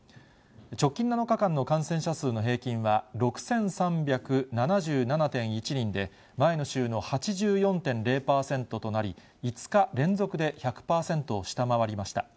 直近７日間の感染者数の平均は６３７７．１人で、前の週の８４．０％となり、５日連続で１００％を下回りました。